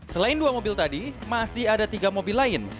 selain dua mobil tadi masih ada tiga mobil lain